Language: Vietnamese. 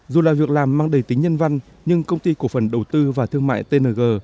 dù là việc làm mang đầy tính nhân văn nhưng công ty cổ phần đầu tư và thương mại tng